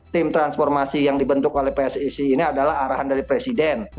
tim transformasi yang dibentuk oleh pssi ini adalah arahan dari presiden